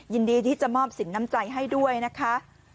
ยินดีที่จะมอบสินน้ำใจให้ด้วยนะคะ